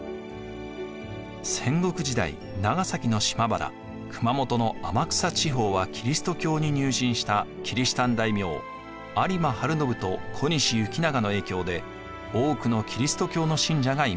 戦国時代長崎の島原熊本の天草地方はキリスト教に入信したキリシタン大名有馬晴信と小西行長の影響で多くのキリスト教の信者がいました。